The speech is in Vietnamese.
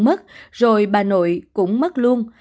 mẹ m mất rồi bà nội cũng mất luôn